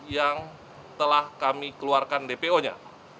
yang telah kami keluarkan dpo nya